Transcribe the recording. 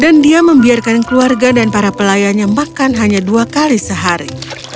dan dia membiarkan keluarga dan para pelayannya makan hanya dua kali sehari